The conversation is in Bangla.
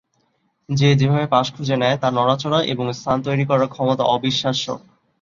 সে যেভাবে পাস খুঁজে নেয়, তার নড়াচড়া এবং স্থান তৈরি করার ক্ষমতা অবিশ্বাস্য।